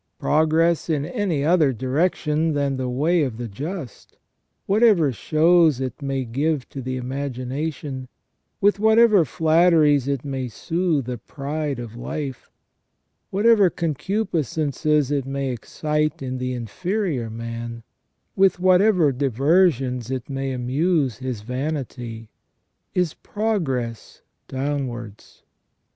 Progress in any other direction than the way of the just, whatever shows it may give to the imagination, with whatever flatteries it may soothe the pride of life, whatever con cupiscences it may excite in the inferior man, with whatever diversions it may amuse his vanity, is progress downwards.